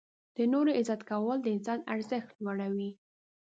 • د نورو عزت کول د انسان ارزښت لوړوي.